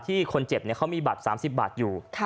คนเจ็บเขามีบัตร๓๐บาทอยู่